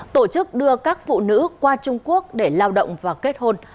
tổ chức đưa các phụ nữ qua trung quốc để lao động và kết hôn